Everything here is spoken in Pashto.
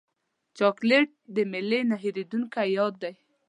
چاکلېټ د میلې نه هېرېدونکی یاد دی.